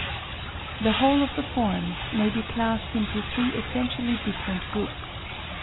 The whole of the forms may be classed into three essentially different groups.